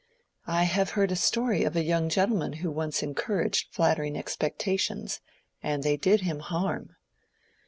"I have heard a story of a young gentleman who once encouraged flattering expectations, and they did him harm."